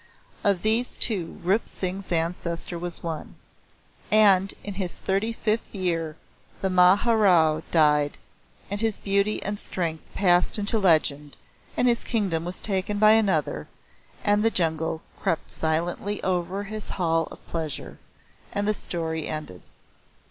Of these two Rup Singh's ancestor was one. And in his thirty fifth year the Maharao died and his beauty and strength passed into legend and his kingdom was taken by another and the jungle crept silently over his Hall of Pleasure and the story ended.